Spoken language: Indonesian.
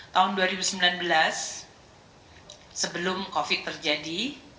tahun dua ribu sembilan belas sebelum covid terjadi